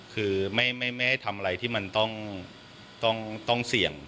คือไม่ให้ทำอะไรที่มันต้องเสี่ยง